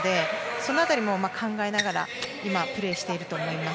その辺り考えながらプレーしていると思います。